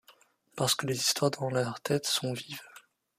parce que les histoires dans leurs têtes sont vives.